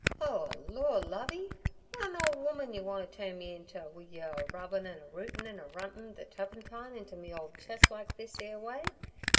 'O Lord, Lovey! w'at a nole woman yer wanter turn me inter, wi' yer a rubbin' and a rootin' and a runtin' ther tuppentine inter me ole ches' like this 'ere way.